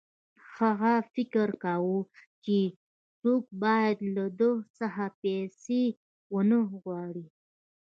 هغه فکر کاوه چې څوک باید له ده څخه پیسې ونه غواړي